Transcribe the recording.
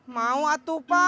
mau atuh pa